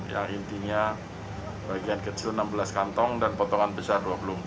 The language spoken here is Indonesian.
yang intinya bagian kecil enam belas kantong dan potongan besar dua puluh empat